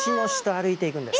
歩いていくんです。